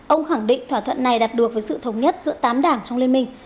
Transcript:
ông khẳng định thỏa thuận này đạt được với sự thống nhất giữa tám đảng trong liên minh